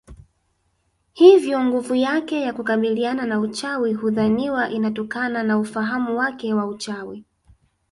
Hivyo nguvu yake ya kukabiliana na uchawi hudhaniwa inatokana na ufahamu wake wa uchawi